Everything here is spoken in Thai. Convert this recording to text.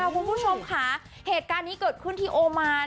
คุณผู้ชมค่ะเหตุการณ์นี้เกิดขึ้นที่โอมาน